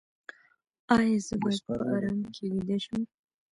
ایا زه باید په ارام کې ویده شم؟